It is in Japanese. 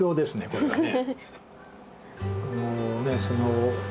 これはね。